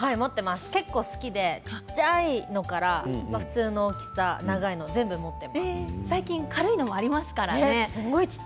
結構好きで、小さいものから普通の大きさ、長いのも最近軽いものもありますからね。